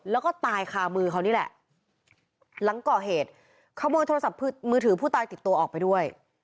แล้วก็ตายคามือเขานี่แหละหลังก่อเหตุขโมยโทรศัพท์มือถือผู้ตายติดตัวออกไปด้วย